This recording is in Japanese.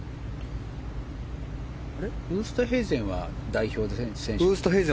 ウーストヘイゼンは代表選手？